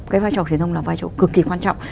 cái vai trò truyền thông là vai trò cực kỳ quan trọng